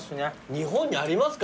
日本にありますか？